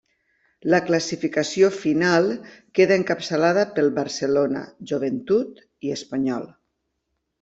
La classificació final queda encapçalada pel Barcelona, Joventut i Espanyol.